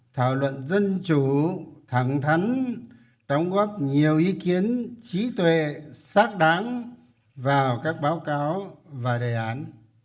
thảo luận dân chủ thẳng thắn đóng góp nhiều ý kiến trí tuệ xác đáng vào các báo cáo và đề án